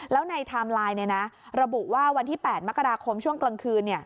แล้วในไทม์ไลน์ระบุว่าวันที่๘มกราคมช่วงกลางคืน